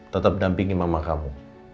tetap menampingi mama kamu